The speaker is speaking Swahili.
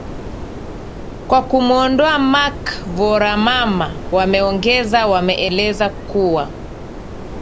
kwa kumuondoa mark voramama wameongeza wameeleza kuwa